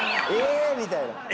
え⁉みたいな。